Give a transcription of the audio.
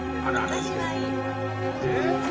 私はいいの。